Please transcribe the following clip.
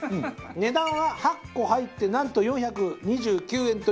値段は８個入ってなんと４２９円という安さ。